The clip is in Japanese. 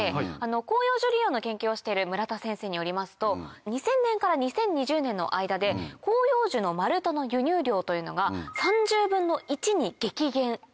広葉樹利用の研究をしている村田先生によりますと２０００年から２０２０年の間で広葉樹の丸太の輸入量というのが３０分の１に激減しているんです。